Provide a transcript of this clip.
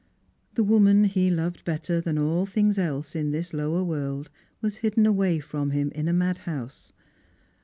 The woman he loved better than all things else in this lowei world was hidden away from him in a madhouse.